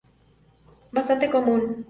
Bastante común.